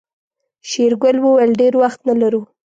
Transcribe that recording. شېرګل وويل ډېر وخت نه لرو.